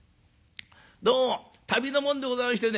どうも旅の者でございましてね